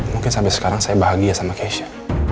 mungkin sampai sekarang saya bahagia sama keisha